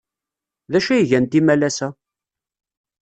D acu ay gant imalas-a?